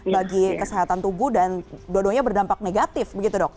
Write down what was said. bagi kesehatan tubuh dan dua duanya berdampak negatif begitu dok